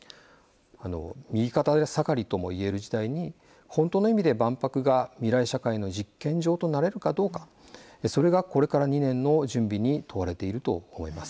右肩下がりともいえる時代に本当の意味での万博が未来社会の実験場となれるかどうかこれから２年の準備に問われていると思います。